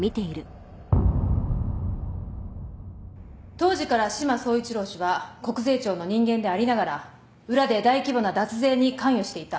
当時から志摩総一郎氏は国税庁の人間でありながら裏で大規模な脱税に関与していた。